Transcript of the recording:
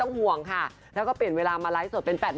ออกงานอีเวนท์ครั้งแรกไปรับรางวัลเกี่ยวกับลูกทุ่ง